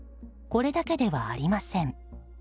これだけではありません。